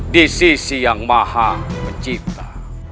di sisi yang maha pencipta